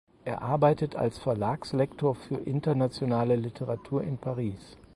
Er arbeitet als Verlagslektor für internationale Literatur in Paris.